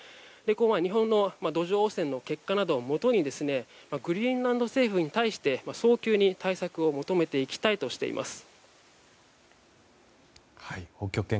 日本の土壌汚染の結果などをもとにグリーンランドの政府に対して早急に対策を求めていきたいとしています。